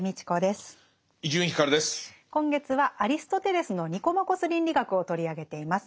今月はアリストテレスの「ニコマコス倫理学」を取り上げています。